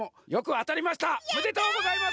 やった！おめでとうございます！